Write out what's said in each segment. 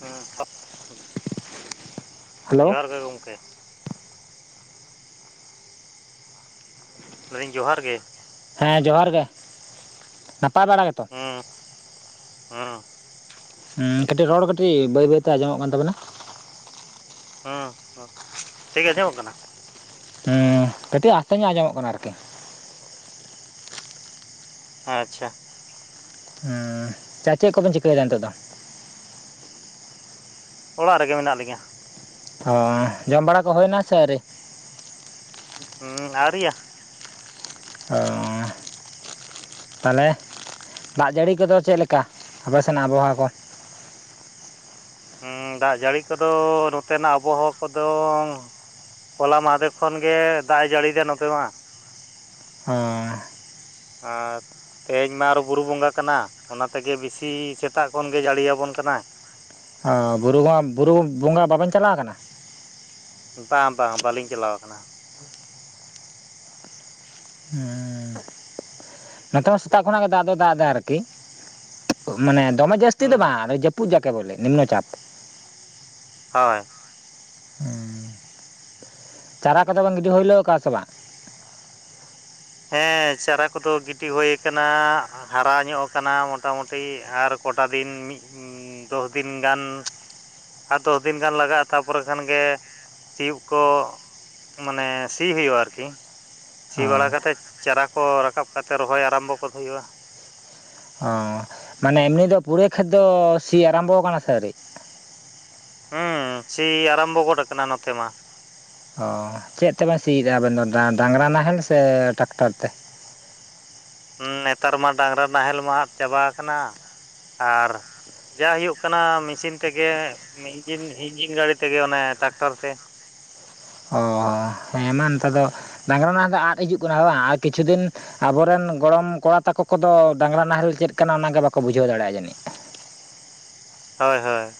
ᱦᱮᱸ ᱦᱮᱞᱳ ᱡᱚᱦᱟᱨ ᱜᱮ ᱜᱚᱢᱠᱮ ᱞᱮᱫᱟᱧ ᱡᱚᱦᱟᱨ ᱜᱮ ᱦᱮᱸ ᱡᱚᱦᱟᱨ ᱜᱮ ᱱᱟᱯᱟᱭ ᱵᱟᱲᱟ ᱜᱮ ᱛᱚ᱾ ᱦᱩᱸ ᱦᱩᱸ ᱦᱩ ᱠᱟᱹᱴᱤᱡ ᱨᱚᱲ ᱠᱟᱹᱴᱤᱡ ᱵᱟᱹᱭ ᱵᱟᱹᱭᱛᱮ ᱟᱸᱡᱚᱢᱚᱜ ᱠᱟᱱ ᱛᱟᱵᱮᱱᱟ᱾ ᱦᱩᱸ ᱦᱩᱸ ᱴᱷᱤᱠ ᱜᱮ ᱟᱸᱡᱚᱢᱚᱜ ᱠᱟᱱᱟ᱾ ᱦᱩᱸ ᱠᱟᱹᱴᱤᱡ ᱟᱥᱛᱮ ᱧᱚᱜ ᱟᱸᱡᱚᱢᱚᱜ ᱠᱟᱱᱟ ᱟᱨᱠᱤ ᱟᱪᱪᱷᱟ [unintelligible] ᱪᱟ ᱪᱮᱫ ᱠᱚ ᱵᱮᱱ ᱪᱤᱠᱟᱹᱭᱮᱫᱟ ᱱᱤᱛᱚᱜ ᱫᱚ ᱚᱲᱟᱜ ᱨᱮᱜᱮ ᱢᱮᱱᱟᱜ ᱞᱤᱧᱟᱹ ᱡᱚᱢ ᱵᱟᱲᱟ ᱠᱚ ᱦᱩᱭᱱᱟ ᱥᱮ ᱟᱹᱣᱨᱤ ᱦᱩᱸ ᱟᱨᱣᱤᱭᱟ ᱚ ᱛᱟᱦᱚᱞᱮ ᱫᱟᱜ ᱡᱟᱹᱲᱤ ᱠᱚᱫᱚ ᱪᱮᱫ ᱞᱮᱠᱟ ᱟᱯᱮ ᱥᱮᱱᱟᱜ ᱟᱵᱚᱦᱟᱣᱟ ᱠᱚ ᱦᱮᱸ ᱫᱟᱜ ᱡᱟᱹᱲᱤ ᱠᱚᱫᱚ ᱱᱚᱛᱮᱱᱟᱜ ᱟᱵᱚᱦᱟᱣᱟ ᱠᱚᱫᱚ ᱦᱚᱞᱟ ᱢᱟᱫᱷᱮᱨ ᱠᱷᱚᱱ ᱜᱮ ᱫᱟᱜ ᱮ ᱡᱟᱹᱲᱤᱭᱟ ᱱᱚᱛᱮ ᱢᱟ ᱦᱮ ᱟᱨ ᱛᱮᱦᱮᱧ ᱢᱟ ᱟᱨᱚ ᱵᱩᱨᱩ ᱵᱚᱸᱜᱟ ᱠᱟᱱᱟ᱾ ᱚᱱᱟ ᱛᱮᱜᱮ ᱵᱮᱥᱤ ᱥᱮᱛᱟᱜ ᱠᱷᱚᱱ ᱜᱮ ᱡᱟᱹᱲᱤᱭᱟᱵᱚᱱ ᱠᱟᱱᱟ᱾ ᱚ ᱵᱩᱨᱩ ᱵᱩᱨᱩ ᱵᱚᱸᱜᱟ ᱵᱟᱵᱮᱱ ᱪᱟᱞᱟᱣ ᱟᱠᱟᱱᱟ ᱵᱟᱝ ᱵᱟᱝ ᱵᱟᱹᱞᱤᱧ ᱪᱟᱞᱟᱣ ᱟᱠᱟᱱᱟ᱾ ᱦᱮᱸ ᱱᱚᱛᱮ ᱢᱟ ᱥᱮᱛᱟᱜ ᱠᱷᱚᱱᱟᱜ ᱜᱮ ᱫᱟᱜ ᱫᱚ ᱫᱟᱜ ᱮᱫᱟ ᱟᱨᱠᱤ ᱢᱟᱱᱮ ᱫᱚᱢᱮ ᱡᱟᱹᱥᱛᱤ ᱫᱚ ᱦᱩᱸ ᱵᱟᱝ ᱡᱟᱹᱯᱩᱫ ᱡᱟᱠᱮ ᱵᱚᱞᱮ ᱱᱤᱢᱱᱚ ᱪᱟᱯ ᱦᱳᱭ ᱦᱮᱸ ᱪᱟᱨᱟ ᱠᱚᱫᱚ ᱵᱟᱝ ᱜᱤᱰᱤ ᱦᱩᱭᱞᱳ ᱟᱠᱟᱼᱟ ᱥᱮ ᱵᱟᱝ ᱦᱮᱸ ᱪᱟᱨᱟ ᱠᱚᱫᱚ ᱜᱤᱰᱤ ᱦᱩᱭ ᱟᱠᱟᱱᱟ ᱦᱟᱨᱟ ᱧᱚᱜ ᱟᱠᱟᱱᱟ ᱢᱚᱴᱟᱢᱩᱴᱤ ᱟᱨ ᱠᱚᱴᱟ ᱫᱤᱱ ᱢᱤᱫ ᱫᱚᱥ ᱫᱤᱱ ᱜᱟᱱ ᱟᱨ ᱫᱚᱥ ᱫᱤᱱ ᱜᱟᱱ ᱞᱟᱜᱟᱜᱼᱟ ᱛᱟᱨᱯᱚᱨᱮ ᱠᱷᱟᱱᱜᱮ ᱥᱤᱭᱚᱜ ᱠᱚ ᱢᱟᱱᱮ ᱥᱤ ᱦᱩᱭᱩᱜᱼᱟ ᱟᱨᱠᱤ ᱥᱤ ᱚ ᱵᱟᱲᱟ ᱠᱟᱛᱮᱫ ᱪᱟᱨᱟ ᱠᱚ ᱨᱟᱠᱟᱵ ᱠᱟᱛᱮ ᱨᱚᱦᱚᱭ ᱟᱨᱟᱢᱵᱚ ᱠᱚ ᱦᱩᱭᱩᱜᱼᱟ ᱦᱳᱭ ᱢᱟᱱᱮ ᱮᱢᱱᱤ ᱫᱚ ᱯᱩᱨᱤ ᱠᱷᱟᱫᱽᱫᱚ ᱥᱤ ᱟᱨᱟᱢᱵᱚ ᱠᱟᱱᱟ ᱥᱮ ᱟᱣᱨᱤ ᱦᱩᱸ ᱥᱤ ᱟᱨᱟᱢᱵᱚ ᱜᱚᱫ ᱟᱠᱟᱱᱟ ᱱᱚᱛᱮ ᱢᱟ ᱚᱻ ᱪᱮᱫ ᱛᱮᱵᱮᱱ ᱥᱤᱭᱮᱫᱼᱟ ᱟᱵᱮᱱ ᱫᱚ ᱫᱟ ᱰᱟᱝᱨᱟ ᱱᱟᱦᱮᱞ ᱥᱮ ᱴᱟᱠᱴᱟᱨ ᱛᱮ ᱦᱮ ᱱᱮᱛᱟᱨ ᱢᱟ ᱰᱟᱝᱨᱟ ᱱᱟᱦᱮᱞ ᱢᱟ ᱟᱫ ᱪᱟᱵᱟ ᱠᱟᱱᱟ ᱟᱨ ᱡᱟ ᱦᱩᱭᱩᱜ ᱠᱟᱱᱟ ᱢᱮᱥᱤᱱ ᱛᱮᱜᱮ ᱤᱱᱡᱤᱱ ᱤᱱᱡᱤᱱ ᱜᱟᱹᱲᱤ ᱛᱮᱜᱮ ᱚᱱᱮ ᱴᱟᱠᱴᱟᱨ ᱛᱮ ᱚᱦᱳ ᱦᱮᱸ ᱢᱟ ᱱᱮᱛᱟᱨ ᱫᱚ ᱰᱟᱝᱨᱟ ᱱᱟᱦᱮᱞ ᱫᱚ ᱟᱫ ᱦᱤᱡᱩᱜ ᱠᱟᱱᱟ ᱵᱟᱝ ᱟᱨ ᱠᱤᱪᱷᱩ ᱫᱤᱱ ᱟᱵᱚᱨᱮᱱ ᱜᱚᱲᱚᱢ ᱠᱚᱲᱟ ᱛᱟᱠᱚ ᱠᱚᱫᱚ ᱰᱟᱝᱨᱟ ᱱᱟᱦᱮᱞ ᱪᱮᱫ ᱠᱟᱱᱟ ᱚᱱᱟ ᱜᱮ ᱵᱟᱠᱚ ᱵᱩᱡᱷᱟᱹᱣ ᱫᱟᱲᱮᱭᱟᱜᱼᱟ ᱡᱟᱹᱱᱤᱡ ᱦᱳᱭ ᱦᱳᱭ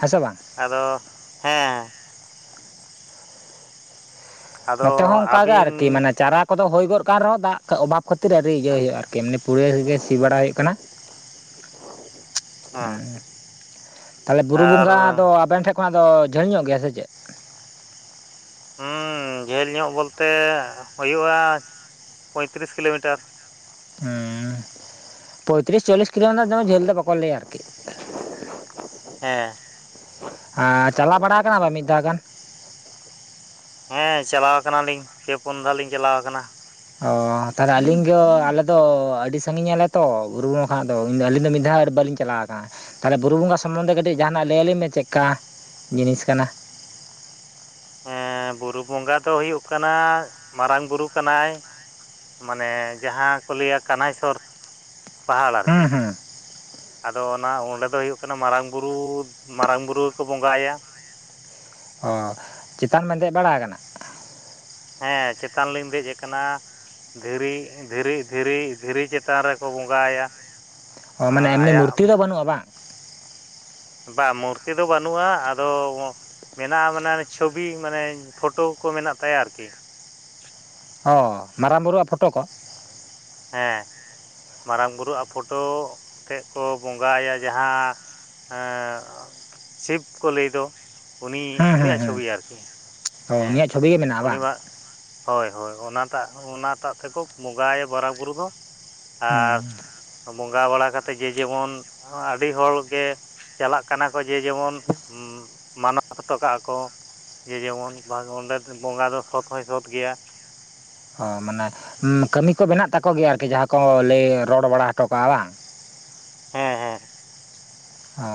ᱦᱮᱸ ᱥᱮ ᱵᱟᱝ ᱟᱫᱚ ᱦᱮᱸ ᱟᱫᱚ ᱱᱚᱛᱮ ᱦᱚᱸ ᱚᱱᱠᱟ ᱜᱮ ᱟᱹᱵᱤᱱ ᱟᱨᱠᱤ ᱢᱟᱱᱮ ᱪᱟᱨᱟ ᱠᱚᱫᱚ ᱦᱩᱭ ᱜᱚᱫ ᱠᱟᱱ ᱨᱮᱦᱚᱸ ᱫᱟᱜ ᱚᱵᱷᱟᱵ ᱠᱷᱟᱹᱛᱤᱨ ᱟᱨ ᱤᱭᱟᱹ ᱦᱩᱭᱩᱜᱼᱟ ᱟᱨᱠᱤ ᱢᱟᱱᱮ ᱯᱩᱨᱟᱹ ᱜᱮ ᱥᱤ ᱵᱟᱲᱟ ᱦᱩᱭᱩᱜ ᱠᱟᱱᱟ [unintelligible] ᱦᱩᱸ ᱦᱮᱸ ᱛᱟᱦᱞᱮ ᱵᱩᱨᱩ ᱟᱨ ᱵᱚᱸᱜᱟ ᱫᱚ ᱟᱵᱮᱱ ᱴᱷᱮᱱ ᱚᱱᱟ ᱫᱚ ᱡᱷᱟᱹᱞ ᱧᱚᱜ ᱜᱮᱭᱟ ᱥᱮ ᱪᱮᱫ ᱡᱷᱟᱹᱞ ᱧᱚᱜ ᱵᱚᱞᱛᱮ ᱦᱩᱭᱩᱜᱼᱟ ᱯᱚᱭᱛᱨᱤᱥ ᱠᱤᱞᱳᱢᱤᱴᱟᱨ ᱯᱚᱭᱛᱨᱤᱥ ᱪᱚᱞᱞᱤᱥ ᱠᱤᱞᱳ ᱨᱮᱱᱟᱜ ᱫᱚ ᱡᱷᱟᱹᱞ ᱫᱚ ᱵᱟᱠᱚ ᱞᱟᱭᱟ ᱟᱨᱠᱤ [unintelligible] ᱦᱮᱸ ᱟ ᱪᱟᱞᱟᱣ ᱵᱟᱲᱟ ᱟᱠᱟᱱᱟ ᱵᱤᱱ ᱢᱤᱫ ᱫᱷᱟᱣ ᱜᱟᱱ ᱦᱮᱸ ᱪᱟᱞᱟᱣ ᱠᱟᱱᱟᱞᱤᱧ ᱯᱮ ᱯᱩᱱ ᱫᱷᱟᱣ ᱞᱤᱧ ᱪᱟᱞᱟᱣ ᱟᱠᱟᱱᱟ ᱚᱻ ᱛᱟᱦᱚᱞᱮ ᱟᱹᱞᱤᱧ ᱫᱚ ᱟᱞᱮᱫ ᱫᱚ ᱟᱹᱰᱤ ᱥᱟᱺᱜᱤᱧ ᱟᱞᱮ ᱛᱚ ᱜᱩᱨᱩ ᱜᱩᱨᱩᱜᱟ ᱠᱷᱚᱱᱟᱜ ᱫᱚᱧ ᱟᱹᱞᱤᱧ ᱫᱚ ᱢᱤᱫ ᱫᱷᱟᱣ ᱵᱟᱞᱤᱧ ᱪᱟᱞᱟᱣ ᱟᱠᱟᱱᱟ ᱛᱟᱦᱚᱞᱮ ᱵᱩᱨᱩ ᱵᱚᱸᱜᱟ ᱥᱚᱢᱵᱚᱱᱫᱷᱮ ᱠᱟᱹᱴᱤᱡ ᱡᱟᱦᱟᱱᱟᱜ ᱞᱟᱹᱭᱟᱞᱤᱧ ᱢᱮ ᱪᱮᱫᱠᱟ ᱡᱤᱱᱤᱥ ᱠᱟᱱᱟ ᱦᱮᱸ ᱵᱩᱨᱩ ᱵᱚᱸᱜᱟ ᱫᱚ ᱦᱩᱭᱩᱜ ᱠᱟᱱᱟ ᱢᱟᱨᱟᱝ ᱵᱩᱨᱩ ᱠᱟᱱᱟᱭ ᱢᱟᱱᱮ ᱡᱟᱦᱟᱸ ᱠᱚ ᱞᱟᱹᱭᱟ ᱠᱟᱱᱟᱭᱥᱚᱨ ᱯᱟᱦᱟᱲ ᱦᱩᱸ ᱟᱨᱠᱤ ᱦᱩᱸ ᱟᱫᱚ ᱚᱱᱟ ᱚᱸᱰᱮ ᱫᱚ ᱦᱩᱭᱩᱜ ᱠᱟᱱᱟ ᱢᱟᱨᱟᱝ ᱵᱩᱨᱩ ᱢᱟᱨᱟᱝ ᱵᱩᱨᱩ ᱜᱮ ᱠᱚ ᱵᱚᱸᱜᱟᱦᱟᱭᱟ ᱾ ᱚ ᱪᱮᱛᱟᱱ ᱵᱮᱱ ᱫᱮᱡ ᱵᱟᱲᱟ ᱟᱠᱟᱱᱟ ᱦᱮᱸ ᱪᱮᱛᱟᱱ ᱞᱤᱧ ᱫᱮᱡ ᱟᱠᱟᱱᱟ ᱾ ᱫᱷᱤᱨᱤ ᱫᱷᱤᱨᱤ ᱫᱷᱤᱨᱤ ᱫᱷᱤᱨᱤ ᱪᱮᱛᱟᱱ ᱨᱮᱠᱚ ᱵᱚᱸᱜᱟᱭᱟ ᱾ ᱚ ᱢᱟᱱᱮ ᱮᱢᱱᱤ ᱢᱩᱨᱛᱤ ᱫᱚ ᱵᱟᱹᱱᱩᱜᱼᱟ ᱵᱟᱝ ᱵᱟᱝ ᱢᱩᱨᱛᱤ ᱫᱚ ᱵᱟᱹᱱᱩᱜᱼᱟ ᱟᱫᱚ ᱢᱮᱱᱟᱜᱼᱟ ᱢᱟᱱᱮ ᱪᱷᱚᱵᱤ ᱢᱟᱱᱮ ᱯᱷᱳᱴᱳ ᱠᱚ ᱢᱮᱱᱟᱜ ᱛᱟᱭᱟ ᱟᱨᱠᱤ ᱚ ᱢᱟᱨᱟᱝ ᱵᱩᱨᱩᱣᱟᱜ ᱯᱷᱳᱴᱳ ᱠᱚ ᱦᱮᱸ ᱢᱟᱨᱟᱝ ᱵᱩᱨᱩᱜ ᱯᱷᱳᱴᱳ ᱟᱛᱮᱫ ᱠᱚ ᱵᱚᱸᱜᱟᱭᱟ ᱡᱟᱦᱟᱸ ᱦᱮᱸ ᱥᱤᱵᱽ ᱠᱚ ᱞᱟᱹᱭ ᱫᱚ ᱩᱱᱤ ᱦᱩᱸ ᱦᱩᱸ ᱩᱱᱤᱭᱟᱜ ᱦᱩᱸ ᱪᱷᱚᱵᱤ ᱟᱨᱠᱤ ᱚ ᱦᱮᱸ ᱩᱱᱤᱭᱟᱜ ᱪᱷᱚᱵᱤ ᱜᱮ ᱢᱮᱱᱟᱜᱼᱟ ᱵᱟᱝ ᱯᱩᱨᱱᱤᱢᱟ ᱦᱳᱭ ᱦᱳᱭ ᱚᱱᱟᱴᱟᱜ ᱚᱱᱟᱴᱟᱜ ᱛᱮᱠᱚ ᱵᱚᱸᱜᱟᱭᱟ ᱢᱟᱨᱟᱝᱵᱩᱨᱩ ᱫᱚ ᱦᱩᱸ ᱟᱨ ᱵᱚᱸᱜᱟ ᱵᱟᱲᱟ ᱠᱟᱛᱮ ᱡᱮ ᱡᱮᱢᱚᱱ ᱟᱹᱰᱤ ᱦᱚᱲ ᱜᱮ ᱪᱟᱞᱟᱜ ᱠᱟᱱᱟ ᱠᱚ ᱡᱮ ᱡᱮᱢᱚᱱ ᱢᱟᱱᱚᱛ ᱦᱚᱴᱚ ᱠᱟᱜᱼᱟ ᱠᱚ ᱾ ᱡᱮ ᱡᱮᱢᱚᱱ ᱚᱸᱰᱮ ᱵᱚᱸᱜᱟ ᱫᱚ ᱥᱚᱛ ᱦᱚᱸᱭ ᱥᱚᱛ ᱜᱮᱭᱟ ᱾ ᱚ ᱢᱟᱱᱮ ᱠᱟᱹᱢᱤ ᱠᱚ ᱢᱮᱱᱟᱜ ᱛᱟᱠᱚ ᱜᱮᱭᱟ ᱟᱨᱠᱤ ᱡᱟᱦᱟᱸ ᱠᱚ ᱞᱟᱹᱭ ᱨᱚᱲ ᱵᱟᱲᱟ ᱦᱚᱴᱚ ᱠᱟᱜᱼᱟ ᱵᱟᱝ ᱦᱮᱸ ᱦᱮᱸ ᱚᱻ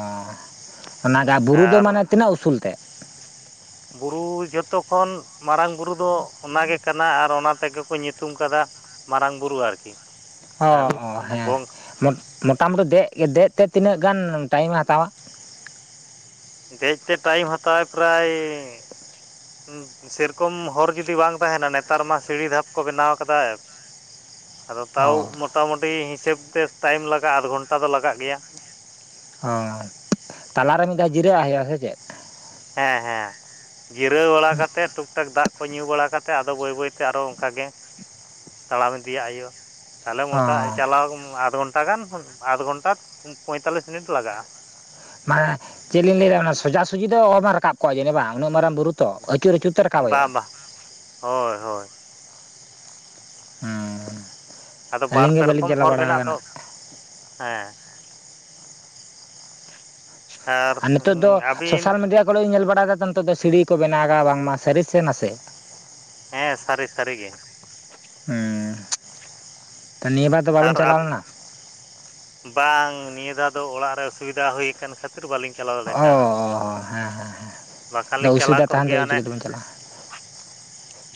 ᱚᱱᱟᱜᱮ ᱵᱩᱨᱩ ᱫᱚ ᱟᱨ ᱢᱟᱱᱮ ᱛᱤᱱᱟᱹᱜ ᱩᱥᱩᱞ ᱛᱮ ᱵᱩᱨᱩ ᱡᱚᱛᱚ ᱠᱷᱚᱱ ᱢᱟᱨᱟᱝ ᱵᱩᱨᱩ ᱫᱚ ᱚᱱᱟᱜ ᱜᱮ ᱠᱟᱱᱟ ᱟᱨ ᱚᱱᱟ ᱛᱮᱜᱮ ᱠᱚ ᱧᱩᱛᱩᱢ ᱠᱟᱫᱟ ᱢᱟᱨᱟᱝ ᱵᱩᱨᱩ ᱟᱨᱠᱤ ᱟᱨ ᱚᱦᱳ ᱦᱮᱸ ᱵᱚᱝ ᱢᱚᱴᱟᱢᱩᱴᱤ ᱫᱮᱡ ᱫᱮᱡ ᱛᱮ ᱛᱤᱱᱟᱹᱜ ᱜᱟᱱ ᱴᱟᱭᱳᱢ ᱮ ᱦᱟᱛᱟᱣᱟ ᱫᱮᱡ ᱛᱮ ᱴᱟᱭᱤᱢ ᱦᱟᱛᱟᱣᱟᱭ ᱯᱨᱟᱭ ᱦᱩᱸ ᱥᱮᱨᱚᱠᱚᱢ ᱦᱚᱨ ᱡᱩᱫᱤ ᱵᱟᱝ ᱛᱟᱦᱮᱱᱟ ᱱᱮᱛᱟᱨ ᱢᱟ ᱥᱤᱲᱤ ᱫᱷᱟᱯ ᱠᱚ ᱵᱮᱱᱟᱣ ᱟᱠᱟᱫᱟ ᱾ [inaudible] ᱟᱫᱚ ᱛᱟᱣ ᱚ ᱢᱚᱴᱟᱢᱩᱴᱤ ᱦᱤᱥᱟᱹᱵ ᱛᱮ ᱴᱟᱭᱤᱢ ᱞᱟᱜᱟᱜᱼᱟ ᱟᱫᱷ ᱜᱷᱚᱱᱴᱟ ᱫᱚ ᱞᱟᱜᱟᱜ ᱜᱮᱭᱟ ᱾ ᱦᱚᱸ ᱛᱟᱞᱟᱨᱮ ᱢᱤᱜ ᱫᱷᱟᱹᱣ ᱡᱤᱨᱟᱹᱜ ᱦᱩᱭᱩᱜᱼᱟ ᱥᱮ ᱪᱮᱫ? ᱦᱮᱸ ᱦᱮᱸ ᱾ ᱡᱤᱨᱟᱹᱣ ᱵᱟᱲᱟ ᱠᱟᱛᱮ ᱴᱩᱠ ᱴᱟᱠ ᱫᱟᱜ ᱠᱚ ᱧᱩ ᱵᱟᱲᱟ ᱠᱟᱛᱮ ᱟᱫᱚ ᱵᱟᱹᱭ ᱵᱟᱹᱭ ᱛᱮ ᱟᱨᱚ ᱚᱱᱠᱟ ᱜᱮ ᱾ ᱛᱟᱲᱟᱢ ᱤᱫᱤᱭᱟᱜ ᱦᱳᱭᱳᱜᱼᱟ ᱾ ᱛᱟᱦᱞᱮ ᱚ ᱢᱚᱴᱟ ᱪᱟᱞᱟᱣ ᱟᱫᱷ ᱜᱷᱚᱱᱴᱟ ᱜᱟᱱ ᱟᱫᱷ ᱜᱷᱚᱱᱴᱟ ᱯᱚᱸᱭᱛᱟᱞᱞᱤᱥ ᱢᱤᱱᱤᱴ ᱞᱟᱜᱟᱜᱼᱟ ᱾ ᱢᱟᱱᱮ ᱪᱮᱜ ᱞᱤᱧ ᱞᱟᱹᱭᱫᱟ ᱚᱱᱟ ᱥᱚᱡᱟ ᱥᱩᱡᱤ ᱫᱚ ᱚᱦᱚ ᱵᱮᱱ ᱨᱟᱠᱟᱵ ᱠᱚᱜᱼᱟ ᱡᱟᱱᱤᱡᱽ ᱵᱟᱝ ᱩᱱᱟᱹᱜ ᱢᱟᱨᱟᱝ ᱵᱩᱨᱩ ᱾ ᱛᱚ ᱟᱹᱪᱩᱨ ᱟᱹᱪᱩᱨ ᱛᱮ ᱨᱟᱠᱟᱵᱚᱜ ᱦᱩᱭᱩᱜᱼᱟ ᱵᱟᱝ ᱾ ᱵᱟᱝ ᱦᱳᱭ ᱦᱳᱭ ᱾ ᱦᱩᱸ ᱟᱫᱚ ᱵᱟᱨ ᱟᱹᱞᱤᱧ ᱜᱮ ᱯᱮ ᱵᱟᱹᱞᱤᱧ ᱨᱚᱠᱚᱢ ᱪᱟᱞᱟᱣ ᱦᱚᱨ ᱵᱟᱲᱟ ᱢᱮᱱᱟᱜ ᱫᱚ ᱟᱠᱟᱱᱟ ᱦᱮᱸ᱾ ᱟᱨ ᱱᱤᱛᱚᱜ ᱫᱚ ᱟᱹᱵᱤᱱ ᱥᱳᱥᱟᱞ ᱢᱤᱰᱤᱭᱟ ᱠᱚᱨᱮ ᱤᱧ ᱧᱮᱞ ᱵᱟᱲᱟᱭᱟ ᱱᱤᱛᱚᱜ ᱫᱚ ᱥᱤᱲᱤ ᱠᱚ ᱵᱮᱱᱟᱣᱫᱟ ᱵᱟᱝ ᱢᱟ ᱥᱟᱹᱨᱤ ᱥᱮ ᱱᱟᱥᱮ? ᱦᱮᱸ ᱥᱟᱹᱨᱤ ᱥᱟᱹᱨᱤᱜᱮ᱾ ᱦᱩᱸ ᱾ ᱛᱚ ᱱᱤᱭᱟᱹ ᱵᱟᱨ ᱫᱚ ᱟᱨ ᱵᱟᱵᱮᱱ ᱪᱟᱞᱟᱣ ᱞᱮᱱᱟ? ᱵᱟᱝ ᱱᱤᱭᱟᱹ ᱫᱷᱟᱹᱣ ᱫᱚ ᱚᱲᱟᱜ ᱨᱮ ᱚᱥᱩᱵᱤᱫᱷᱟ ᱦᱳᱭ ᱠᱟᱱ ᱠᱷᱟᱹᱛᱤᱨ ᱵᱟᱹᱞᱤᱧ ᱪᱟᱞᱟᱣ ᱫᱟᱲᱮ ᱚ ᱠᱟᱣᱫᱟ ᱾ ᱦᱮᱸ ᱦᱮᱸ ᱦᱮᱸ ᱾ ᱵᱟᱠᱷᱟᱱ ᱞᱤᱧ ᱪᱟᱞᱟᱣ ᱠᱚᱜ ᱜᱮᱭᱟ᱾ ᱚᱱᱮ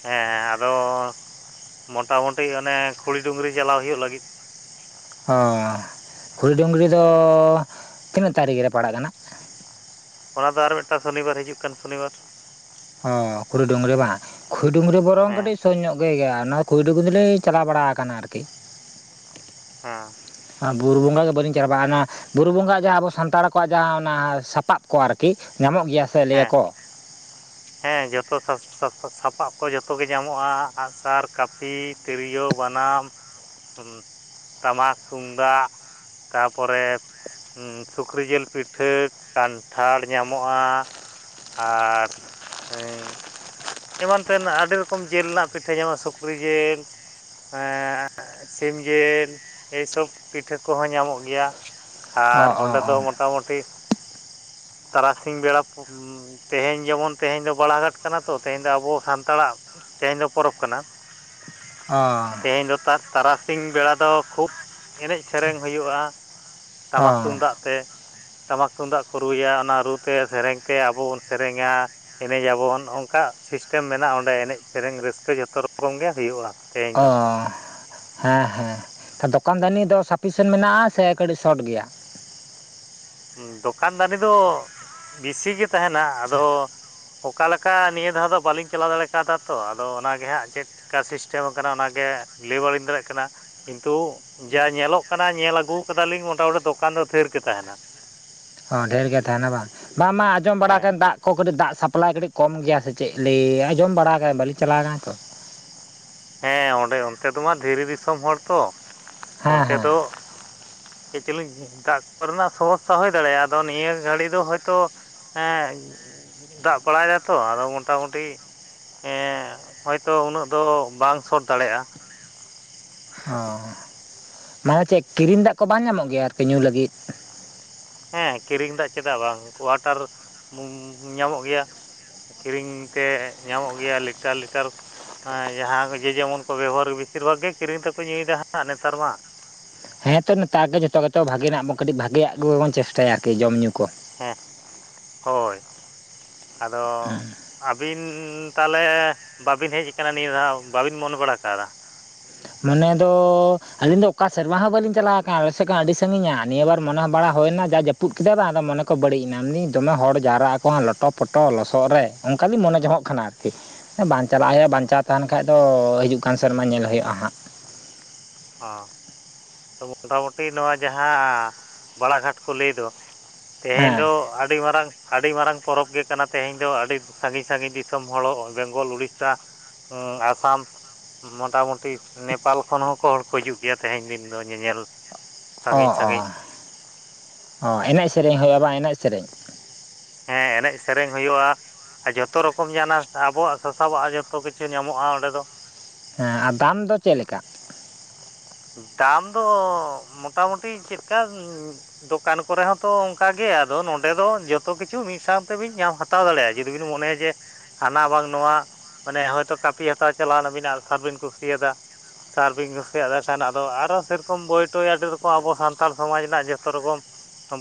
ᱦᱮᱸ ᱟᱫᱚ ᱢᱳᱚᱴᱟᱢᱩᱴᱤ ᱚᱱᱮ ᱠᱷᱩᱲᱤ ᱰᱩᱝᱨᱤ ᱪᱟᱞᱟᱣ ᱦᱩᱭᱩᱜ ᱞᱟᱹᱜᱤᱫ᱾ ᱦᱚᱸ ᱾ ᱠᱷᱩᱲᱤ ᱰᱩᱝᱨᱤ ᱫᱚ ᱛᱤᱱᱟᱹᱜ ᱛᱟᱹᱨᱤᱠᱷ ᱨᱮ ᱯᱟᱲᱟᱜ ᱠᱟᱱᱟ? ᱚᱱᱟ ᱫᱚ ᱟᱨ ᱢᱤᱜᱴᱟᱝ ᱥᱚᱱᱤᱵᱟᱨ ᱦᱤᱡᱩᱜ ᱠᱟᱱ ᱥᱚᱱᱤᱵᱟᱨ ᱾ ᱚ ᱠᱷᱩᱲᱤ ᱰᱩᱝᱨᱤ ᱵᱟᱝ? ᱠᱷᱩᱭᱰᱩᱝᱨᱤ ᱵᱚᱨᱚᱝ ᱦᱮᱸ ᱠᱟᱹᱴᱤᱡ ᱥᱩᱨ ᱧᱚᱜ ᱜᱮᱭᱟ ᱚᱱᱟ ᱠᱷᱩᱭ ᱰᱩᱝᱨᱤ ᱫᱚᱞᱤᱧ ᱪᱟᱞᱟᱣ ᱵᱟᱲᱟ ᱟᱠᱟᱱᱟ ᱟᱨᱠᱤ᱾ ᱦᱮᱸ᱾ ᱵᱩᱨᱩ ᱵᱚᱸᱜᱟ ᱜᱮ ᱵᱟᱹᱞᱤᱧ ᱪᱟᱞᱟ ᱵᱟᱲᱟ ᱱᱟ ᱾ ᱵᱩᱨᱩ ᱵᱚᱸᱜᱟ ᱡᱟᱦᱟᱸ ᱟᱵᱚ ᱥᱟᱱᱛᱟᱲ ᱠᱚᱣᱟᱜ ᱡᱟᱦᱟᱸ ᱚᱱᱟ ᱥᱟᱯᱟᱵ ᱠᱚ ᱟᱨᱠᱤ ᱧᱟᱢᱚᱜ ᱜᱮᱭᱟ ᱥᱮ ᱦᱮᱸ ᱞᱟᱹᱭᱟᱠᱚ, ᱦᱮᱸ ᱡᱚᱛᱚ [unintelligible] ᱥᱟᱯᱟᱵ ᱠᱚ ᱡᱚᱛᱚ ᱜᱮ ᱧᱟᱢᱚᱜᱼᱟ ᱟᱜ ᱥᱟᱨ ᱠᱟᱹᱯᱤ, ᱛᱤᱨᱭᱳ ᱵᱟᱱᱟᱢ, [inaudible] ᱴᱟᱢᱟᱠ ᱛᱩᱢᱫᱟᱜ ᱛᱟᱯᱚᱨᱮ, ᱦᱚᱹ ᱥᱩᱠᱨᱤ ᱡᱤᱞ ᱯᱤᱴᱷᱟᱹ ᱠᱟᱱᱴᱷᱟᱲ ᱧᱟᱢᱚᱜᱼᱟ ᱟᱨ ᱩᱸ, [inaudible] ᱮᱢᱟᱱ ᱛᱮᱱᱟᱜ ᱟᱹᱰᱤ ᱨᱚᱠᱚᱢ ᱡᱮᱞ ᱨᱮᱱᱟᱜ ᱯᱤᱴᱷᱟᱹ ᱧᱟᱢᱟ ᱥᱩᱠᱨᱤ ᱡᱮᱞ ᱮᱸᱜ ᱥᱤᱢ ᱡᱮᱞ ᱮᱭ ᱥᱚᱵ ᱯᱤᱴᱷᱟᱹ ᱠᱚᱦᱚᱸ ᱧᱟᱢᱚᱜ ᱜᱮᱭᱟ, ᱚ ᱟᱨ ᱚ ᱚᱸᱰᱮ ᱫᱚ ᱚ ᱢᱚᱴᱟ ᱢᱩᱴᱤ, ᱛᱟᱨᱟᱥᱤᱧ ᱵᱮᱲᱟ ᱛᱮᱦᱮᱧ ᱡᱮᱢᱚᱱ, ᱛᱮᱦᱮᱧ ᱫᱚ ᱵᱟᱲᱟᱜᱷᱟᱴ ᱠᱟᱱᱟ ᱛᱚ, ᱛᱮᱦᱮᱧ ᱫᱚ ᱟᱵᱚ ᱥᱟᱱᱛᱟᱲᱟᱜ ᱛᱮᱦᱮᱧ ᱫᱚ ᱯᱚᱨᱚᱵᱽ ᱠᱟᱱᱟ, ᱚᱸᱻ ᱛᱮᱦᱮᱧ ᱫᱚ ᱛᱟᱨᱟ ᱛᱟᱨᱟᱥᱤᱧ ᱵᱮᱲᱟ ᱫᱚ ᱠᱷᱩᱵ ᱮᱱᱮᱡ ᱥᱮᱨᱮᱧ ᱦᱩᱭᱩᱜᱼᱟ ᱾ ᱴᱟᱢᱟᱠ ᱚ ᱛᱩᱢᱫᱟᱜ ᱛᱮ ᱴᱟᱢᱟᱠ ᱛᱩᱢᱫᱟᱜ ᱠᱚ ᱨᱩᱭᱟ ᱚᱱᱟ ᱨᱩ ᱛᱮ ᱥᱮᱨᱮᱧ ᱛᱮ ᱟᱵᱚ ᱵᱚᱱ ᱥᱮᱨᱮᱧᱟ ᱾ ᱮᱱᱮᱡᱟᱵᱚᱱ ᱚᱱᱠᱟ ᱥᱤᱥᱴᱮᱢ ᱢᱮᱱᱟᱜᱼᱟ, ᱚᱸᱰᱮ ᱮᱱᱮᱡ ᱥᱮᱨᱮᱧ ᱨᱟᱹᱥᱠᱟᱹ ᱡᱚᱛᱚ ᱨᱚᱠᱚᱢ ᱜᱮ ᱦᱩᱭᱩᱜᱼᱟ, ᱛᱮᱦᱮᱧ ᱫᱚ, ᱚ ᱦᱮᱸ ᱦᱮᱸ᱾ ᱫᱚᱠᱟᱱ ᱫᱟᱹᱱᱤ ᱫᱚ ᱥᱟᱯᱷᱤᱥᱮᱱ ᱢᱮᱱᱟᱜᱼᱟ ᱥᱮ ᱠᱟᱹᱴᱤᱡ ᱥᱚᱴ ᱜᱮᱭᱟ? ᱫᱚᱠᱟᱱ ᱫᱟᱱᱤ ᱫᱚ ᱵᱮᱥᱤ ᱜᱮ ᱛᱟᱦᱮᱱᱟ ᱟᱫᱚ ᱚᱠᱟ ᱞᱮᱠᱟ ᱱᱤᱭᱟᱹ ᱫᱷᱟᱣ ᱫᱚ ᱵᱟᱞᱤᱧ ᱪᱟᱞᱟᱣ ᱫᱟᱲᱮ ᱠᱟᱣᱫᱟ ᱛᱚ ᱟᱫᱚ ᱚᱱᱟ ᱜᱮ ᱦᱟᱸᱜ ᱪᱮᱫ? ᱠᱟ ᱥᱤᱥᱴᱮᱢ ᱟᱠᱟᱱᱟ ᱚᱱᱟᱜᱮ ᱞᱟᱹᱭ ᱵᱟᱲᱤᱧ ᱫᱟᱲᱮᱜ ᱠᱟᱱᱟ, ᱠᱤᱱᱛᱩ ᱡᱟ ᱧᱮᱞᱚᱜ ᱠᱟᱱᱟ ᱧᱮᱞ ᱟᱹᱜᱩ ᱠᱟᱫᱟᱞᱤᱧ ᱢᱚᱴᱟᱢᱩᱴᱤ ᱫᱚᱠᱟᱱ ᱫᱚ ᱛᱷᱤᱨ ᱜᱮ ᱛᱟᱦᱮᱱᱟ ᱾ ᱚ ᱰᱷᱮᱨ ᱜᱮ ᱛᱟᱦᱮᱱᱟ ᱵᱟᱝ ᱵᱟᱝᱢᱟ ᱟᱸᱡᱚᱢ ᱵᱟᱲᱟ ᱦᱮᱸ ᱠᱟᱱ ᱫᱟᱜ, ᱟᱠᱚ ᱠᱟᱹᱴᱤᱡ ᱫᱟᱜ ᱥᱟᱯᱞᱟᱭ ᱠᱟᱹᱴᱤᱡ ᱠᱚᱢ ᱜᱮᱭᱟ ᱥᱮ ᱪᱮᱫ, ᱞᱟᱹᱭ ᱟᱸᱡᱚᱢ ᱵᱟᱲᱟ ᱟᱠᱟ ᱵᱟᱞᱤᱧ ᱪᱟᱞᱟᱣ ᱟᱠᱟᱱᱟ ᱛᱚ ᱾ ᱦᱮᱸ ᱚᱸᱰᱮ ᱚᱱᱛᱮ ᱫᱚᱢᱟ ᱫᱷᱤᱨᱤ ᱫᱤᱥᱚᱢ ᱦᱚᱲ ᱛᱚ ᱦᱮᱸ ᱚᱱᱛᱮ ᱦᱮᱸ ᱫᱚ, ᱠᱤᱪᱞᱤᱜ ᱫᱟᱜ ᱠᱚᱨᱮᱱᱟᱜ ᱥᱚᱢᱚᱥᱥᱟ ᱦᱳᱭ ᱫᱟᱲᱮᱭᱟᱜᱼᱟ, ᱟᱫᱚ ᱱᱤᱭᱟᱹ ᱜᱷᱟᱹᱲᱤ ᱫᱚ ᱦᱚᱭᱛᱳ, ᱦᱮᱸ ᱫᱟᱜᱽ ᱵᱟᱲᱟᱭ ᱫᱟ ᱛᱚ ᱟᱫᱚ ᱢᱚᱴᱟ ᱢᱩᱴᱤ ᱦᱮᱸ ᱦᱚᱭᱛᱚ ᱩᱱᱟᱹᱜ ᱫᱚ, ᱵᱟᱝ ᱥᱚᱴ ᱫᱟᱲᱮᱭᱟᱜᱼᱟ᱾ ᱚᱸ ᱢᱟᱱᱮ ᱪᱮᱫ ᱠᱤᱨᱤᱧ ᱫᱟᱜᱽ ᱠᱚ ᱵᱟᱝ ᱧᱟᱢᱚᱜ ᱜᱮᱭᱟ ᱟᱨᱠᱤ ᱧᱩ ᱞᱟᱹᱜᱤᱫ, ᱦᱮᱸ ᱠᱤᱨᱤᱧ ᱫᱟᱜᱽ ᱪᱮᱫᱟᱜ ᱵᱟᱝ ᱠᱚᱣᱟᱴᱟᱨ ᱧᱟᱢᱚᱜ ᱜᱮᱭᱟ ᱠᱤᱨᱤᱧ ᱛᱮ ᱧᱟᱢᱚᱜ ᱜᱮᱭᱟ ᱞᱤᱴᱟᱨ ᱞᱤᱴᱟᱨ ᱦᱮᱸ ᱡᱟᱦᱟᱸ ᱡᱮ ᱡᱮᱢᱚᱱ ᱠᱚ ᱵᱮᱵᱚᱦᱟᱨ ᱵᱮᱥᱤᱨ ᱵᱷᱟᱜᱽ ᱜᱮ ᱠᱤᱨᱤᱧ ᱛᱮᱠᱚ ᱧᱩᱭᱮᱫᱟ ᱦᱟᱸᱜ ᱱᱮᱛᱟᱨ ᱢᱟ ᱦᱮᱸᱛᱚ ᱱᱮᱛᱟᱨ ᱫᱚ ᱡᱚᱛᱚ ᱜᱮᱛᱚ ᱵᱷᱟᱜᱮ ᱱᱟᱸᱜ ᱵᱚ ᱠᱟᱴᱤᱡᱽ ᱵᱷᱟᱜᱮᱭᱟᱜ ᱜᱮᱵᱚᱱ ᱪᱮᱥᱴᱟᱭᱟ ᱟᱨᱠᱤ ᱡᱚᱢᱼ ᱧᱩ ᱠᱚ ᱦᱮᱸ ᱦᱳᱭ ᱟᱫᱚ, ᱟᱹᱵᱤᱱ ᱛᱟᱦᱞᱮ ᱵᱟᱵᱮᱱ ᱦᱮᱡᱽ ᱟᱠᱟᱱᱟ ᱱᱤᱭᱟᱹ ᱫᱷᱟᱣ ᱵᱟᱵᱤᱱ ᱢᱚᱱᱮ ᱵᱟᱲᱟ ᱠᱟᱫᱟ ᱢᱚᱱᱮ ᱫᱚ ᱟᱹᱞᱤᱧ ᱫᱚ ᱚᱠᱟ ᱥᱮᱨᱢᱟ ᱦᱚᱸ ᱢᱟᱱᱮ ᱫᱚ ᱟᱞᱤᱧ ᱫᱚ ᱚᱠᱟ ᱥᱮᱨᱢᱟ ᱦᱚᱸ ᱵᱟᱹᱞᱤᱧ ᱪᱟᱞᱟ ᱠᱟᱱᱟ ᱟᱞᱮ ᱥᱮ ᱠᱷᱚᱱ ᱟᱹᱰᱤ ᱥᱟᱺᱜᱤᱧᱟ ᱱᱤᱭᱟᱹ ᱵᱟᱨ ᱢᱚᱱᱮ ᱵᱟᱲᱟ ᱦᱩᱭᱱᱟ ᱫᱟᱜᱽ ᱡᱟᱹᱯᱩᱫᱽ ᱠᱮᱫᱟ ᱵᱟᱝ ᱟᱫᱚ ᱢᱚᱱᱮ ᱠᱚ ᱵᱟᱹᱲᱤᱡᱽ ᱮᱱᱟ ᱢᱮᱱ ᱫᱟ. ᱧ ᱫᱚᱢᱮ ᱦᱚᱲ ᱡᱟᱣᱨᱟᱜ ᱟᱠᱚ ᱞᱚᱴᱚ ᱯᱚᱴᱚ ᱞᱚᱥᱚᱫ ᱨᱮ ᱚᱱᱠᱟ ᱫᱩᱧ ᱢᱚᱱᱮ ᱡᱚᱝᱚᱜ ᱠᱟᱱᱟ ᱟᱨᱠᱤ ᱵᱟᱝ ᱪᱟᱞᱟᱜ ᱦᱩᱭᱩᱜᱼᱟ ᱚ ᱵᱟᱧᱪᱟᱣ ᱛᱟᱦᱮᱱ ᱠᱷᱟᱱ ᱫᱚ ᱦᱤᱡᱩᱜ ᱠᱟᱱ ᱥᱮᱨᱢᱟ ᱧᱮᱞ ᱦᱩᱭᱩᱜᱼᱟ ᱦᱟᱸᱜ ᱚ ᱢᱚᱴᱟ ᱢᱩᱴᱤ ᱱᱚᱣᱟ ᱡᱟᱦᱟᱸ ᱵᱟᱲᱟ ᱜᱷᱟᱴ ᱠᱚ ᱞᱟᱹᱭ ᱫᱚ ᱛᱮᱦᱮᱸᱧ ᱦᱮᱸ ᱫᱚ ᱟᱹᱰᱤ ᱢᱟᱨᱟᱝ ᱟᱹᱰᱤ ᱢᱟᱨᱟᱝ ᱯᱚᱨᱚᱵᱽ ᱜᱮ ᱠᱟᱱᱟ ᱛᱮᱦᱮᱧ ᱫᱚ ᱟᱹᱰᱤ ᱥᱟᱺᱜᱤᱧ ᱥᱟᱺᱜᱤᱧ ᱫᱤᱥᱚᱢ ᱦᱚᱲ ᱵᱮᱝᱜᱚᱞ ᱩᱲᱤᱥᱟ ᱦᱚᱸ ᱟᱥᱟᱢ ᱢᱚᱴᱟ ᱢᱩᱴᱤ ᱱᱮᱯᱟᱞ ᱠᱷᱚᱱ ᱦᱚᱸᱠᱚ ᱦᱚᱲ ᱠᱚ ᱠᱚ ᱦᱤᱡᱩᱜ ᱜᱮᱭᱟ ᱛᱮᱦᱮᱧ ᱫᱤᱱ ᱫᱚ ᱧᱮᱧᱮᱞ ᱚ ᱥᱟᱺᱜᱤᱧ ᱥᱟᱺᱜᱤᱧ ᱦᱚ ᱮᱱᱮᱡ ᱥᱮᱨᱮᱧ ᱦᱩᱭᱩᱜᱼᱟ ᱵᱟᱝ ᱮᱱᱮᱡ ᱥᱮᱨᱮᱧ ᱦᱮᱸ ᱮᱱᱮᱡ ᱥᱮᱨᱮᱧ ᱦᱩᱭᱩᱜᱼᱟ᱾ ᱟᱨ ᱡᱚᱛᱚ ᱨᱚᱠᱚᱢ ᱡᱟᱱᱟ ᱟᱵᱚᱣᱟᱜ ᱥᱟᱥᱟᱵᱟᱜ ᱡᱚᱛᱚ ᱠᱤᱪᱷᱩ ᱧᱟᱢᱚᱜᱼᱟ ᱚᱸᱰᱮ ᱫᱚ ᱦᱮᱸ ᱟᱨ ᱫᱟᱢ ᱫᱚ ᱪᱮᱫ ᱞᱮᱠᱟ? ᱫᱟᱢ ᱫᱚ ᱢᱚᱴᱟᱢᱩᱴᱤ ᱪᱮᱫᱠᱟ ᱫᱚᱠᱟᱱ ᱠᱚᱨᱮ ᱦᱚᱸᱛᱚ ᱚᱱᱠᱟ ᱜᱮ ᱟᱫᱚ ᱱᱚᱰᱮᱸ ᱫᱚ ᱡᱚᱛᱚ ᱠᱤᱪᱷᱩ ᱢᱤᱫ ᱥᱟᱶᱛᱮᱵᱤᱱ ᱧᱟᱢ ᱦᱟᱛᱟ ᱦᱟᱛᱟᱣ ᱫᱟᱲᱮᱭᱟᱜ ᱡᱩᱫᱤ ᱵᱤᱱ ᱢᱚᱱᱮᱭᱟ ᱡᱮ ᱦᱟᱱᱟ ᱵᱟᱝ ᱱᱚᱣᱟ ᱢᱟᱱᱮ ᱦᱚᱭᱛᱚ ᱠᱟᱹᱯᱤ ᱦᱟᱛᱟᱣ ᱪᱟᱞᱟᱣ ᱱᱟᱵᱤᱱ ᱟᱜ ᱥᱟᱨ ᱵᱤᱱ ᱠᱩᱥᱤᱭᱟᱫᱟ ᱥᱟᱨ ᱵᱤᱱ ᱠᱩᱥᱤᱭᱟ ᱫ ᱱᱟᱜ ᱫᱚ ᱟᱨᱚ ᱥᱮ ᱨᱚᱠᱚᱢ ᱵᱳᱭ ᱴᱳᱭ ᱟᱹᱰᱤ ᱨᱚᱠᱚᱢ ᱟᱵᱚ ᱥᱟᱱᱛᱟᱲ ᱥᱚᱢᱟᱡᱽ ᱨᱮᱱᱟᱜ ᱡᱚᱛᱚ ᱨᱚᱠᱚᱢ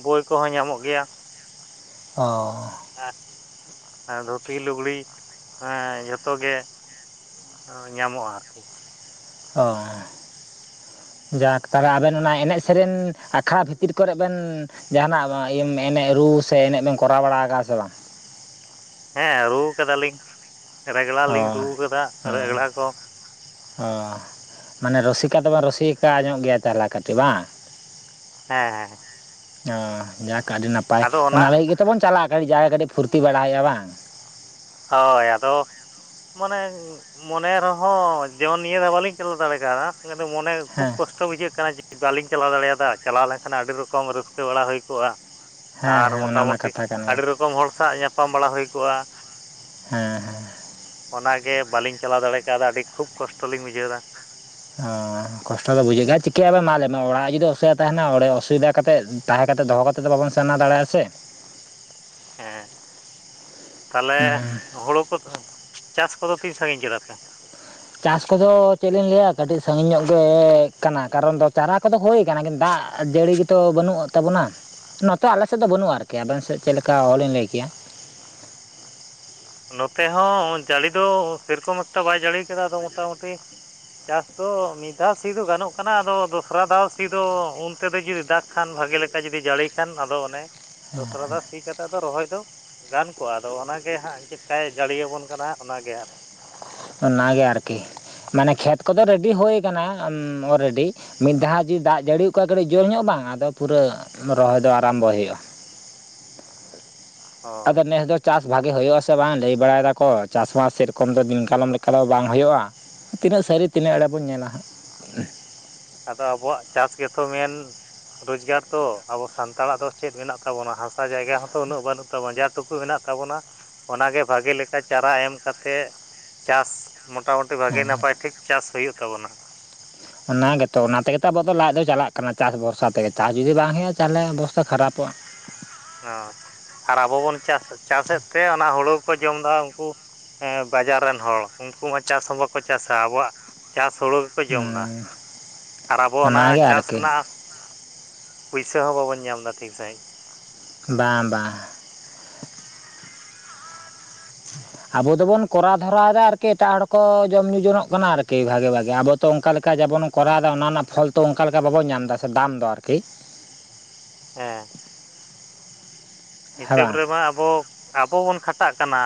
ᱵᱳᱭ ᱠᱚᱦᱚᱸ ᱧᱟᱢᱚᱜ ᱜᱮᱭᱟ ᱚ ᱫᱷᱩᱛᱤ ᱞᱩᱜᱽᱲᱤ ᱦᱮᱸ ᱡᱷᱚᱛᱚ ᱜᱮ ᱧᱟᱢᱚᱜᱼᱟ ᱟᱨᱠᱤ ᱚ ᱡᱟᱠ ᱛᱟᱞᱮ ᱟᱵᱮᱱ ᱚᱱᱟ ᱮᱱᱮᱡ ᱥᱮᱨᱮᱧ ᱟᱠᱷᱲᱟ ᱵᱷᱤᱛᱤᱨ ᱠᱚᱨᱮᱫ ᱵᱮᱱ ᱡᱟᱦᱟᱱᱟ ᱤᱭᱟ ᱢᱮᱱᱮ ᱨᱩ ᱥᱮ ᱮᱱᱮᱡ ᱮᱢ ᱠᱚᱨᱟᱣ ᱵᱟᱲᱟ ᱟᱠᱟᱼᱟ ᱥᱮ ᱵᱟᱝ ᱦᱮᱸ ᱨᱩ ᱠᱟᱫᱟᱞᱤᱧ ᱨᱮᱜᱽᱲᱟ ᱚ ᱞᱤᱧ ᱨᱩ ᱠᱟᱫᱟ ᱦᱮᱸ ᱨᱮᱜᱽᱲᱟ ᱠᱚ ᱚ ᱢᱟᱱᱮ ᱨᱩᱥᱤᱠᱟ ᱫᱚᱵᱚᱱ ᱨᱩᱥᱤᱠᱟ ᱧᱚᱜ ᱜᱮᱭᱟ ᱛᱟᱦᱞᱮ ᱠᱟᱹᱴᱤᱡᱽ ᱵᱟᱝ ᱦᱮᱸ ᱦᱮᱸ ᱚ ᱡᱟᱠ ᱟᱹᱰᱤ ᱱᱟᱯᱟᱭ ᱚᱱᱟ ᱞᱟᱹᱜᱤᱫ ᱜᱮᱛᱚ ᱵᱚᱱ ᱪᱟᱞᱟᱜᱼᱟ ᱠᱟᱴᱤᱡᱽ ᱡᱟᱭᱜᱟ. ᱠᱟᱹᱴᱤᱡ ᱯᱷᱩᱨᱛᱤ ᱵᱟᱲᱟᱭ ᱦᱩᱭᱩᱜᱼᱟ ᱵᱟᱝ ᱦᱳᱭ ᱟᱫᱚ ᱢᱟᱱᱮ ᱢᱚᱱᱮ ᱨᱮᱦᱚᱸ ᱡᱮᱢᱚᱱ ᱱᱤᱭ ᱫᱟᱶ ᱵᱟᱹᱞᱤᱧ ᱪᱟᱞᱟᱣ ᱫᱟᱲᱮ ᱠᱟᱫᱟ ᱢᱚᱱᱮ ᱠᱷᱩᱵ ᱦᱮᱸ ᱠᱚᱥᱴᱚ ᱵᱩᱡᱷᱟᱹᱜ ᱠᱟᱱᱟ ᱡᱮ ᱵᱟᱹᱞᱤᱧ ᱪᱟᱞᱟᱣ ᱫᱟᱲᱮᱭᱟᱫᱟ ᱪᱟᱞᱟᱣ ᱞᱮᱱᱠᱷᱟᱱ ᱟᱹᱰᱤ ᱨᱚᱠᱚᱢ ᱨᱟᱹᱥᱠᱟᱹ ᱵᱟᱲᱟ ᱦᱳᱭ ᱠᱚᱜᱼᱟ᱾ ᱦᱮᱸ ᱟᱨ ᱦᱮᱸ ᱚᱱᱟ ᱢᱟ ᱢᱚᱴᱟᱢᱩᱴᱤ ᱠᱟᱛᱷᱟ ᱠᱟᱱ ᱜᱮ ᱟᱹᱰᱤ ᱨᱚᱠᱚᱢ ᱦᱚᱲ ᱥᱟᱜ ᱧᱟᱯᱟᱢ ᱵᱟᱲᱟ ᱦᱳᱭ ᱠᱚᱜᱼᱟ᱾ ᱦᱮᱸ ᱦᱮᱸ ᱚᱱᱟᱜᱮ ᱵᱟᱹᱞᱤᱧ ᱪᱟᱞᱟᱣ ᱫᱟᱲᱮ ᱠᱟᱣᱫᱟ ᱟᱹᱰᱤ ᱠᱷᱩᱵ ᱠᱚᱥᱴᱚ ᱞᱤᱧ ᱵᱩᱡᱷᱟᱹᱣ ᱫᱟ ᱚᱦᱚᱸ ᱠᱚᱥᱴᱚᱢ ᱫᱚ ᱵᱩᱡᱟᱹᱜ ᱜᱮᱭᱟ ᱪᱤᱠᱟᱹᱭᱟᱵᱤᱱ ᱢᱟ ᱞᱟ. ᱭ ᱢᱮ ᱚᱲᱟᱜ ᱡᱩᱫᱤ ᱩᱥᱟᱹᱨᱟ ᱛᱟᱦᱮᱸᱱᱟ ᱚᱲᱮᱭ ᱚᱥᱵᱤᱛᱟ ᱠᱟᱛᱮ ᱛᱟᱦᱮᱸᱠᱟᱛᱮ ᱫᱚᱦᱚ ᱠᱟ ᱵᱟᱵᱚᱱ [unintelligible] ᱫᱟᱲᱮᱭᱟᱜᱼᱟ ᱥᱮ ᱦᱮᱸ ᱛᱟᱞᱦᱮ ᱦᱩᱸ ᱦᱳᱲᱳ ᱠᱚ ᱪᱟᱥ ᱠᱚᱫᱚ ᱛᱤᱱ ᱥᱟᱺᱜᱤᱧ ᱠᱮᱫᱟ ᱯᱮ ᱪᱟᱥ ᱠᱚᱫᱚ ᱪᱮᱫ ᱞᱤᱧ ᱞᱟᱹᱭᱟ ᱠᱟᱹᱴᱤᱡ ᱥᱟᱺᱜᱤᱧ ᱧᱚᱜ ᱜᱮ ᱠᱟᱱᱟ ᱠᱟᱨᱚᱱ ᱫᱚ ᱪᱟᱨᱟ ᱠᱚᱫᱚ ᱦᱳᱭ ᱠᱟᱱᱟ ᱫᱟᱜ ᱡᱟᱹᱲᱤ ᱜᱮ ᱛᱚ ᱵᱟᱹᱱᱩᱜ ᱛᱟᱵᱚᱱᱟ ᱱᱚᱛᱮ ᱟᱞᱮᱥᱮᱫ ᱫᱚ ᱵᱟᱹᱱᱩᱜᱼᱟ ᱟᱨᱠᱤ ᱟᱵᱮᱱ ᱥᱮᱫ ᱪᱮᱫ ᱞᱮᱠᱟ ᱚᱦᱚᱞᱤᱧ ᱞᱟᱹᱭ ᱠᱮᱭᱟ᱾ ᱱᱚᱛᱮ ᱦᱚᱸ ᱡᱟᱹᱲᱤ ᱫᱚ ᱥᱮᱨᱚᱠᱚᱢ ᱮᱠᱴᱟ ᱵᱟᱭ ᱡᱟᱹᱲᱤ ᱠᱟᱫᱟ ᱟᱫᱚ ᱢᱚᱴᱟᱢᱩᱴᱤ ᱪᱟᱥ ᱫᱚ ᱢᱤᱫ ᱫᱷᱟᱣ ᱥᱤ ᱫᱚ ᱜᱟᱱᱚᱜ ᱠᱟᱱᱟ ᱟᱫᱚ ᱫᱚᱥᱨᱟ ᱫᱷᱟᱣ ᱥᱤ ᱫᱚ ᱚᱱᱛᱮᱫᱚ ᱡᱩᱫᱤ ᱫᱟᱜ ᱠᱷᱟᱱ ᱵᱷᱟᱜᱮ ᱞᱮᱠᱟ ᱡᱩᱫᱤ ᱡᱟᱹᱲᱤ ᱠᱷᱟᱱ ᱟᱫᱚ ᱚᱱᱮ ᱫᱚᱥᱨᱟ ᱫᱷᱟᱶ ᱥᱤ ᱠᱟᱛᱮᱜ ᱫᱚ ᱨᱚᱦᱚᱭ ᱫᱚ ᱜᱟᱱ ᱠᱚᱜᱼᱟ ᱟᱫᱚ ᱚᱱᱟᱜᱮ ᱦᱟᱸᱜ ᱪᱮᱫᱠᱟᱭ ᱡᱟᱹᱲᱤᱭᱟᱵᱚᱱ ᱠᱟᱱᱟ ᱚᱱᱟ ᱜᱮ᱾ ᱚᱱᱟᱜᱮ ᱟᱨᱠᱤ ᱢᱟᱱᱮ ᱠᱷᱮᱛ ᱠᱚᱫᱚ ᱨᱮᱰᱤ ᱦᱳᱭ ᱠᱟᱱᱟ ᱚᱞᱨᱮᱰᱤ ᱢᱤᱫ ᱫᱷᱟᱣ ᱡᱩᱫᱤ ᱫᱟᱜ ᱡᱟᱹᱲᱤ ᱠᱚᱣᱟ ᱠᱟᱹᱴᱤᱡ ᱡᱳᱨ ᱧᱚᱜ ᱵᱟᱝ ᱟᱫᱚ ᱯᱩᱨᱟᱹ ᱨᱚᱦᱚᱭ ᱫᱚ ᱟᱨᱟᱢᱵᱚᱭ ᱦᱳᱭᱳᱜᱼᱟ᱾ ᱦᱳᱭ ᱟᱫᱚ ᱱᱮᱥ ᱫᱚ ᱪᱟᱥ ᱵᱷᱟᱜᱮ ᱦᱳᱭᱳᱜ ᱼᱟ ᱥᱮ ᱵᱟᱝ ᱞᱟᱹᱭ ᱵᱟᱲᱟᱭᱮᱫᱟ ᱠᱚ ᱪᱟᱥᱵᱟᱥ ᱥᱮᱨᱚᱠᱚᱢ ᱫᱚ ᱫᱤᱱᱠᱟᱞᱚᱢ ᱞᱮᱠᱟ ᱫᱚ ᱵᱟᱝ ᱦᱳᱭᱳᱜᱼᱟ ᱛᱤᱱᱟᱹᱜ ᱥᱟᱹᱨᱤ ᱛᱤᱱᱟᱜ ᱮᱲᱮ ᱵᱚᱱ ᱧᱮᱞᱟ ᱦᱟᱸᱜ ᱟᱫᱚ ᱟᱵᱚᱣᱟᱜ ᱪᱟᱥ ᱜᱮᱛᱚ ᱢᱮᱱ ᱨᱚᱡᱽᱜᱟᱨ ᱛᱚ ᱟᱵᱚ ᱥᱟᱱᱛᱟᱲᱟᱜ ᱫᱚ ᱪᱮᱫ ᱢᱮᱱᱟᱜ ᱛᱟᱵᱚᱱᱟ ᱦᱟᱥᱟ ᱡᱟᱭᱜᱟ ᱦᱚᱸᱛᱚ ᱩᱱᱟᱹᱜ ᱵᱟᱹᱱᱩᱜ ᱛᱟᱢᱟ ᱡᱟ ᱴᱩᱠᱩ ᱢᱮᱱᱟᱜ ᱛᱟᱵᱚᱱᱟ ᱚᱱᱟᱜᱮ ᱵᱷᱟᱜᱮ ᱞᱮᱠᱟ ᱪᱟᱨᱟ ᱮᱢ ᱠᱟᱛᱮ ᱪᱟᱥ ᱢᱚᱴᱟ ᱢᱩᱴᱤ ᱵᱷᱟᱜᱮ ᱱᱟᱯᱟᱭ ᱴᱷᱤᱠ ᱪᱟᱥ ᱦᱳᱭᱳᱜ ᱛᱟᱵᱚᱱᱟ ᱚᱱᱟ ᱜᱮᱛᱚ ᱚᱱᱟ ᱛᱮᱜᱮ ᱛᱚ ᱟᱵᱚ ᱫᱚ ᱞᱟᱡ ᱫᱚ ᱪᱟᱞᱟᱜ ᱠᱟᱱᱟ ᱪᱟᱥ ᱵᱷᱚᱨᱥᱟ ᱛᱮᱜᱮ ᱪᱟᱥ ᱡᱩᱫᱤ ᱵᱟᱝ ᱦᱳᱭᱳᱜᱼᱟ ᱛᱟᱞᱦᱮ ᱚᱵᱚᱥᱛᱟ ᱠᱷᱟᱨᱟᱯᱚᱜᱼᱟ ᱦ ᱟᱨ ᱟᱵᱚ ᱵᱚᱱ ᱪᱟᱥ ᱪᱟᱥᱮᱫ ᱛᱮ ᱚᱱᱟ ᱦᱳᱲᱳ ᱠᱚ ᱡᱚᱢ ᱮᱫᱟ ᱩᱱᱠᱩ ᱦᱮᱸ ᱵᱟᱡᱟᱨ ᱨᱮᱱ ᱦᱚᱲ ᱩᱱᱠᱩ ᱢᱟ ᱪᱟᱥ ᱦᱚᱸ ᱵᱟᱠᱚ ᱪᱟᱥᱟ ᱟᱵᱚᱣᱟᱜ ᱪᱟᱥ ᱦᱳᱲᱳ ᱜᱮᱠᱚ ᱡᱚᱢᱫᱟ ᱦᱩᱸ ᱟᱨ ᱟᱵᱚ ᱚᱱᱟ ᱚᱱᱟᱜᱮ ᱪᱟᱥ ᱟᱨᱠᱤ ᱨᱮᱱᱟᱜ ᱯᱩᱭᱥᱟᱹ ᱦᱚᱸ ᱵᱟᱵᱚᱱ ᱧᱟᱢ ᱫᱟ ᱴᱷᱤᱠ ᱥᱟᱺᱦᱤᱡ ᱵᱟᱝ ᱵᱟᱝ ᱟᱵᱚ ᱫᱚᱵᱚᱱ ᱠᱚᱨᱟᱣ ᱫᱷᱚᱨᱟᱣᱮᱫᱟ ᱟᱨᱠᱤ ᱮᱴᱟᱜ ᱦᱚᱲ ᱠᱚ ᱡᱚᱢᱼ ᱧᱩ ᱡᱚᱱᱚᱜ ᱠᱟᱱᱟ ᱟᱨᱠᱤ ᱵᱷᱟᱜᱮ ᱵᱷᱟᱜᱮ ᱟᱵᱚ ᱛᱚ ᱚᱱᱠᱟ ᱞᱮᱠᱟ ᱡᱮᱵᱚᱱ ᱠᱚᱨᱟᱣᱫᱟ ᱚᱱᱟ ᱨᱮᱱᱟᱜ ᱯᱷᱚᱞ ᱛᱚ ᱚᱱᱠᱟ ᱞᱮᱠᱟ ᱵᱟᱵᱚᱱ ᱧᱟᱢ ᱮᱫᱟ ᱥᱮ ᱫᱟᱢ ᱫᱚ ᱟᱨᱠᱤ᱾ ᱦᱮᱸ᱾ ᱦᱮᱸ ᱦᱤᱥᱟᱹᱵ ᱵᱟᱝ ᱨᱮᱢᱟ ᱟᱵᱚ ᱟᱵᱚ ᱵᱚᱱ ᱠᱷᱟᱴᱟᱜ ᱠᱟᱱᱟ